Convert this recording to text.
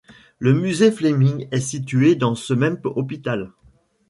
Le Musée Fleming est situé dans ce même hôpital.